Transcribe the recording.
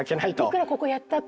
いくらここやったって。